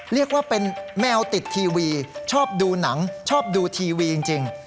เรียกว่าเป็นแมวติดทีวีชอบดูหนังชอบดูทีวีจริง